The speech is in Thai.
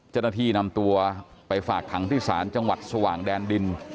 เจ้าหน้าที่นำตัวไปฝากขังที่ศาลจังหวัดสว่างแดนดิน